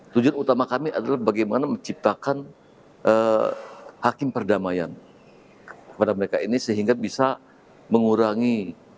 tujuan utama kami adalah bagaimana menciptakan hakim perdamaian kepada mereka ini sehingga bisa mengurangi